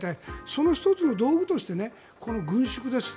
その１つの道具として軍縮です。